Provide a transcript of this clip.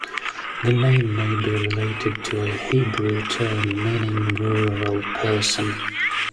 The name may be related to a Hebrew term meaning rural person.